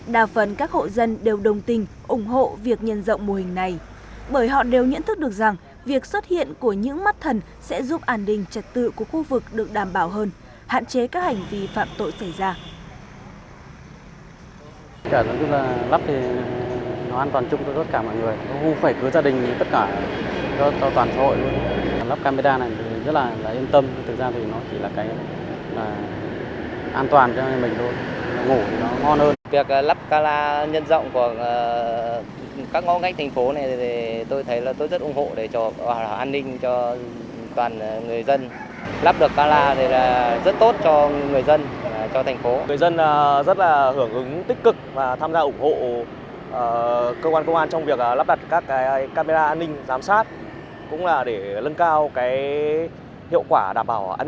đa phần các hộ dân đều đồng tình ủng hộ việc nhân dọng mô hình này bởi họ đều nhận thức được rằng việc xuất hiện của những mắt thần sẽ giúp an ninh trật tự của khu vực được đảm bảo hơn hạn chế các hành vi phạm tội xảy ra